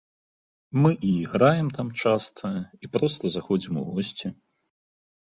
Мы і граем там часта, і проста заходзім у госці.